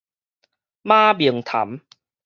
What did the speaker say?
馬明潭